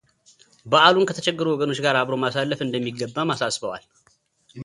በዓሉን ከተቸገሩ ወገኖች ጋር አብሮ ማሳለፍ እንደሚገባም አሳስበዋል፡፡